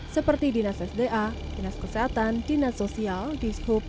seperti dinas sda dinas kesehatan dinas sosial dishub